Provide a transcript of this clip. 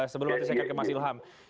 sebelum saya ke mas ilham